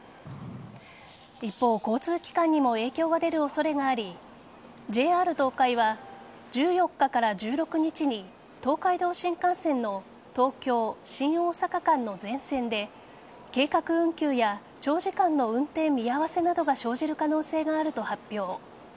一方、交通機関にも影響が出る恐れがありＪＲ東海は１４日から１６日に東海道新幹線の東京新大阪間の全線で計画運休や長時間の運転見合わせなどが生じる可能性があると発表。